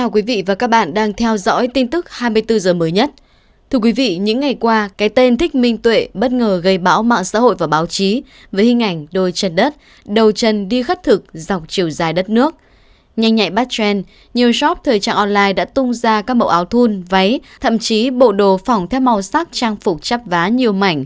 các bạn hãy đăng ký kênh để ủng hộ kênh của chúng mình nhé